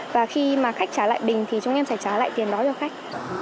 và khi mà khách trả lại bình thì chúng em sẽ trả lại tiền đó cho khách